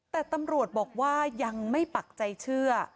แต่ตำรวจบอกว่ายังไม่ปักใจเชื่อ